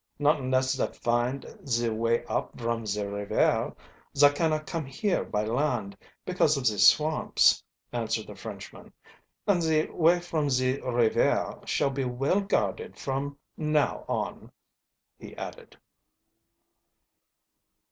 "Not unless za find ze way up from ze rivair. Za cannot come here by land, because of ze swamps," answered the Frenchman. "And ze way from ze rivair shall be well guarded from now on," he added.